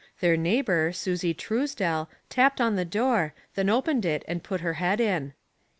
Their neighbor, Susie Truesdell, tapped on the door, then opened it and put her head in.